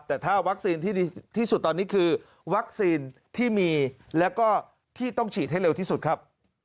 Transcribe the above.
แต่ถ้าวัคซีนที่ดีที่สุดตอนนี้คือวัคซีนที่มีแล้วก็ที่ต้องฉีดให้เร็วที่สุดครับ